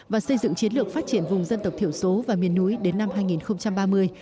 và xây dựng chiến lược phát triển vùng dân tộc thiểu số và miền núi đến năm hai nghìn ba mươi